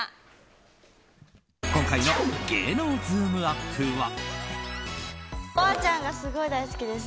今回の芸能ズームＵＰ！は。